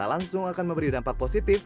kita ingin makan kita mesti milih milih